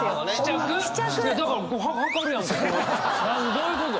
どういうこと？